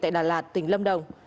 tại đà lạt tỉnh lâm đồng